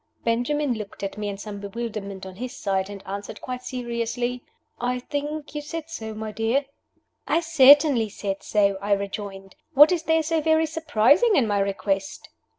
Benjamin looked at me in some bewilderment on his side, and answered, quite seriously, "I think you said so, my dear." "I certainly said so," I rejoined. "What is there so very surprising in my request?"